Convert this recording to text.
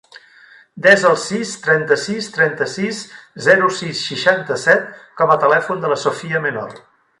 Desa el sis, trenta-sis, trenta-sis, zero, sis, seixanta-set com a telèfon de la Sophia Menor.